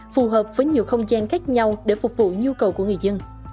phù hợp với nhiều không gian khác nhau để phục vụ nhu cầu của người dân